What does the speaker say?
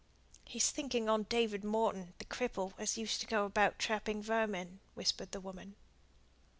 "He's thinking on David Morton, the cripple, as used to go about trapping vermin," whispered the woman.